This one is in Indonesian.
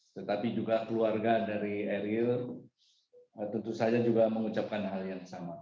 tetapi juga keluarga dari eril tentu saja juga mengucapkan hal yang sama